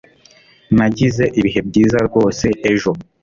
Nagize ibihe byiza rwose ejo